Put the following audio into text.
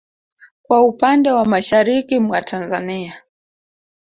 Kwa upande wa mashariki mwa Tanzania